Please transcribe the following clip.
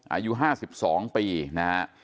อายุห้าสิบสองปีนะฮะ